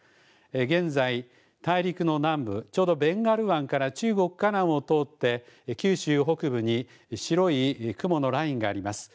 現在、大陸の南部、ちょうどベンガル湾から中国・かなんを通って九州北部に白い雲のラインがあります。